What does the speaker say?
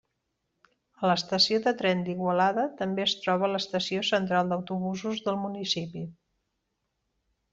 A l'estació de tren d'Igualada també es troba l'estació central d'autobusos del municipi.